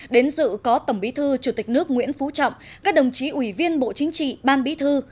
đến dự có tổng bí thư chủ tịch nước nguyễn phú trọng các đồng chí ủy viên bộ chính trị ban bí thư